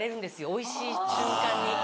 おいしい瞬間に。